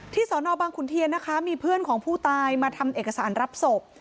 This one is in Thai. สอนอบังขุนเทียนนะคะมีเพื่อนของผู้ตายมาทำเอกสารรับศพ